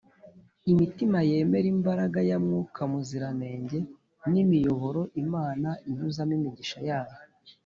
imitima yemera imbaraga ya mwuka muziranenge ni imiyoboro imana inyuzamo imigisha yayo